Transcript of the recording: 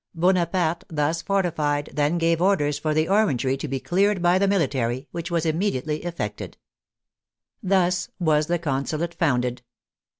Bonaparte, thus forti fied, then gave orders for the " Orangery " to be cleared by the military, which was immediately effected. Thus was the Consulate founded.